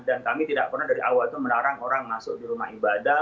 dan kami tidak pernah dari awal itu melarang orang masuk di rumah ibadah